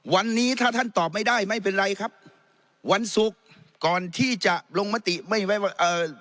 วันนี้ถ้าท่านตอบไม่ได้ไม่เป็นไรครับวันศุกร์ก่อนที่จะลงมติไม่ไว้ว่าเอ่อ